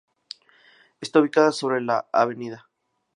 Está ubicada sobre la Av.